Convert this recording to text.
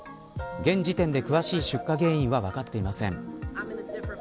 現時点で詳しい出火原因は分かっていません。